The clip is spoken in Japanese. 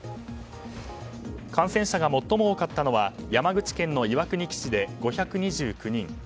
感染者が最も多かったのは山口県の岩国基地で５２９人。